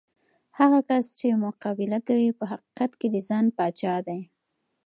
هغه کس چې مقابله کوي، په حقیقت کې د ځان پاچا دی.